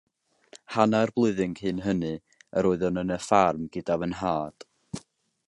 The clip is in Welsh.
Hanner blwyddyn cyn hynny, yr oeddwn yn y ffarm gyda fy nhad.